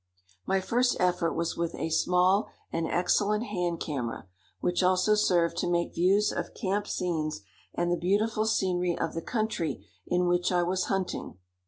My first effort was with a small and excellent hand camera, which also served to make views of camp scenes and the beautiful scenery of the country in which I was hunting.